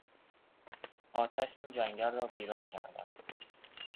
آتش این جنگل را ویران کرده است.